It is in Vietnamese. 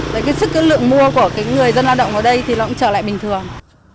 cái sức lượng mua của người dân lao động ở đây thì nó cũng trở lại bình thường